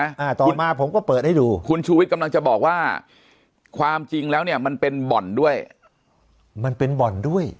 อ่าต่อมาผมก็เปิดให้ดูคุณชูวิทย์กำลังจะบอกว่าความจริงแล้วเนี่ยมันเป็นบ่อนด้วยมันเป็นบ่อนด้วย